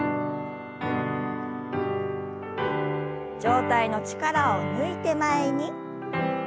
上体の力を抜いて前に。